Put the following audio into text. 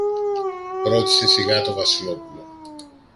ρώτησε σιγά το Βασιλόπουλο